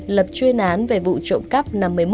lập chuyên án về vụ trộm cắp